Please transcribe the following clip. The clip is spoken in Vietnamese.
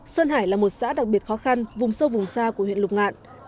sơn hải là một xã đặc biệt khó khăn vùng sâu vùng xa của huyện lục ngạn